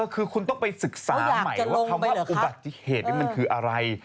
คือคุณต้องไปศึกษาใหม่ว่าคำว่าอุบัติเหตุนี้มันคืออะไร